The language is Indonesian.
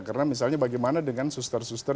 karena misalnya bagaimana dengan suster suster